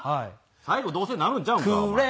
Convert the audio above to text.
最後どうせなるんちゃうんかお前。